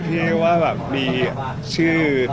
เพราะว่ามีชื่อ